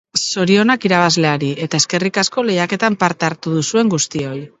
Zorionak irabazleari eta eskerrik asko lehiaketan parte hartu duzuen guztioi.